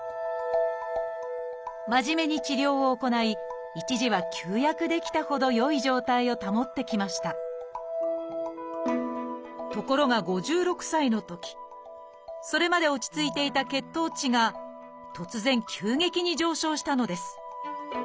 真面目に治療を行い一時は休薬できたほど良い状態を保ってきましたところが５６歳のときそれまで落ち着いていた血糖値が突然急激に上昇したのです。